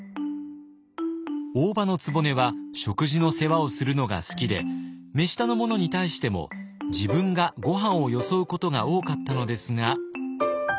大姥局は食事の世話をするのが好きで目下の者に対しても自分がごはんをよそうことが多かったのですが。